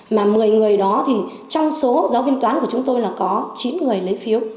mà một mươi người đó thì trong số giáo viên toán của chúng tôi là có chín người lấy phiếu